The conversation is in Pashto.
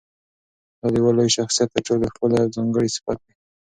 دا د یوه لوی شخصیت تر ټولو ښکلی او ځانګړی صفت دی.